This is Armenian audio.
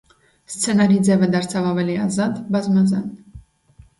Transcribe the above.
Սցենարի ձևը դարձավ ավելի ազատ, բազմազան։